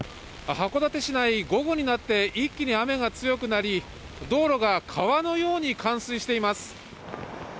函館市内、午後になって一気に雨が強くなり、道路が川のように冠水しています。